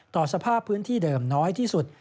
สภาพพื้นที่เดิมน้อยที่สุด